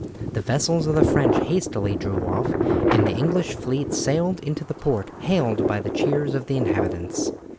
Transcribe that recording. The vessels of the French hastily drew off, and the English fleet sailed into the port hailed by the cheers of the inhabitants.